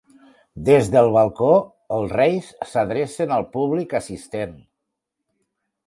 Des del balcó, els Reis s'adrecen al públic assistent.